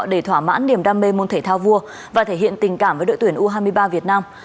để thỏa mãn niềm đam mê môn thể thao vua và thể hiện tình cảm với đội tuyển u hai mươi ba việt nam